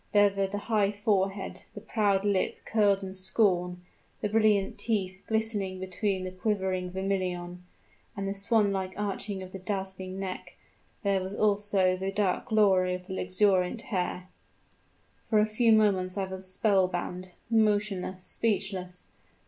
There were the high forehead the proud lip, curled in scorn, the brilliant teeth, glistening between the quivering vermilion, and the swan like arching of the dazzling neck; there also was the dark glory of the luxuriant hair! "For a few moments I was spell bound motionless speechless.